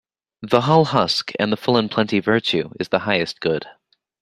The hull husk and the full in plenty Virtue is the highest good